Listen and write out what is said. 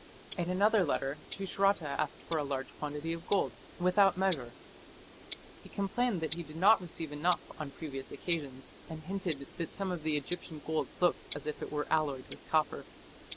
In another letter Tushratta asked for a large quantity of gold "without measure". He complained that he did not receive enough on previous occasions, and hinted that some of the Egyptian gold looked as if it were alloyed with copper.